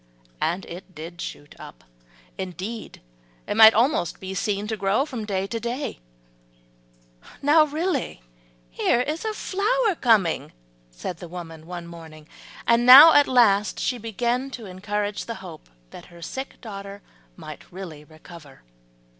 And it did shoot up, indeed it might almost be seen to grow from day to day. "Now really here is a flower coming," said the old woman one morning, and now at last she began to encourage the hope that her sick daughter might really recover.